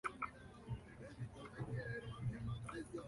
Atributos que los diferencian considerablemente de los diplodócidos.